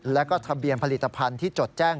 แล้วก็ทะเบียนผลิตภัณฑ์ที่จดแจ้ง